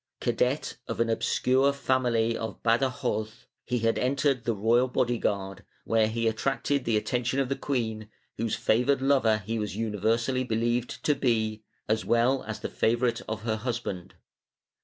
Cadet of an obscure family of Bada joz, he had entered the royal body guard, where he attracted the attention of the queen, whose favored lover he was universally believed to be, as well as the favorite of her husband.